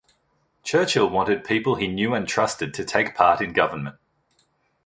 Churchill wanted people he knew and trusted to take part in government.